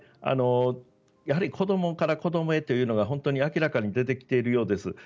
子どもから子どもへというのが本当に明らかに出てきているようです。